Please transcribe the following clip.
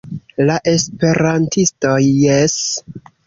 La esperantistoj jes.